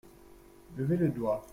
Levez le doigt !